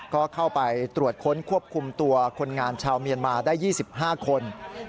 ก็เข้าไปตรวจค้นควบคุมตัวคนงานชาวเมียนมาได้๒๕คน